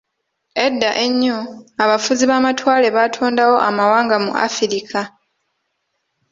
Edda ennyo, abafuzi b'amatwale baatondawo amawanga mu Afirika.